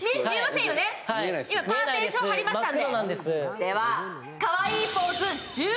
今、パーテーションを張りましたので。